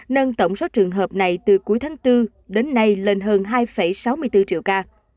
nâng tổng số trường hợp này từ cuối tháng bốn đến nay lên hơn hai sáu mươi bốn triệu ca